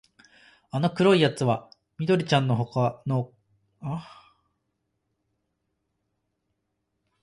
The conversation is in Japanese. あの黒いやつは緑ちゃんのほかの子は見向きもしないんですもの。たとえさらわれたって、危険はないんだし、